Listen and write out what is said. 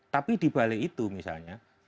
tapi dibalik itu misalnya